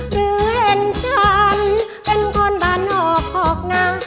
หรือเห็นฉันเป็นคนบ้านนอกออกนะ